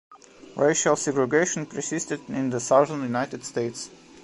Racial segregation persisted in the Southern United States.